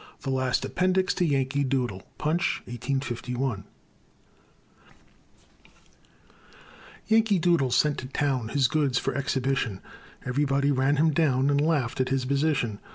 THE LAST APPENDIX TO "YANKEE DOODLE" [Punch, 1851] Yankee Doodle sent to Town His goods for exhibition; Everybody ran him down, And laugh'd at his position.